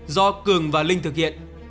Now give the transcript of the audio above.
do cường và linh thực hiện